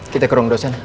kita ke ruang dosen